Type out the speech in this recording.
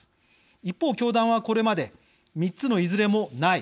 一方、教団は、これまで「３つのいずれもない。